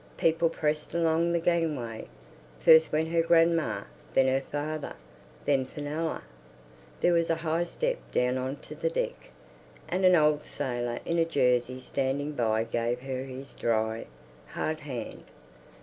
People pressed along the gangway. First went her grandma, then her father, then Fenella. There was a high step down on to the deck, and an old sailor in a jersey standing by gave her his dry, hard hand.